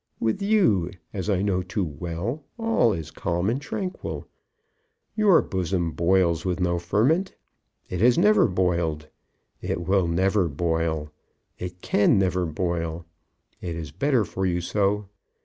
With you, as I know too well, all is calm and tranquil. Your bosom boils with no ferment. It has never boiled. It will never boil. It can never boil. It is better for you so.